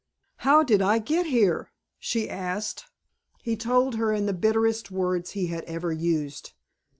"How did I get here?" she asked. He told her in the bitterest words he had ever used.